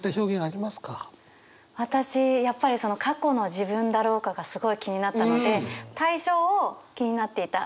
私やっぱりその「過去の自分だろうか」がすごい気になったので対象を「気になっていた